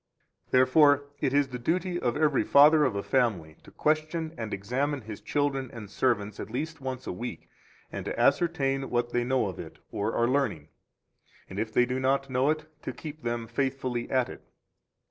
4 Therefore it is the duty of every father of a family to question and examine his children and servants at least once a week and to ascertain what they know of it, or are learning, and, if they do not know it, to keep them faithfully at it.